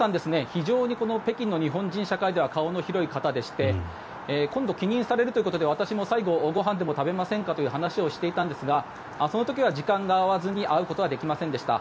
非常に北京の日本人社会では顔の広い方でして今度、帰任されるということで私も最後、ご飯でも食べませんかという話をしていたんですがその時は時間が合わずに会うことはできませんでした。